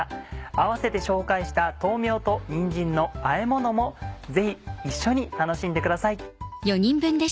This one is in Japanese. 併せて紹介した「豆苗とにんじんのあえもの」もぜひ一緒に楽しんでください。